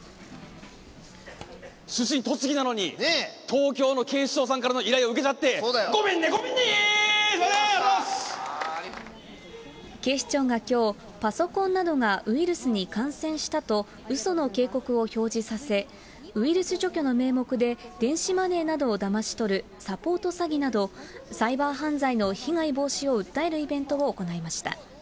出身栃木なのに、東京の警視庁さんからの依頼を受けちゃって、ごめんね、警視庁がきょう、パソコンなどがウイルスに感染したとうその警告を表示させ、ウイルス除去の名目で電子マネーなどをだまし取るサポート詐欺など、サイバー犯罪の被害防止を訴えるイベントを行いました。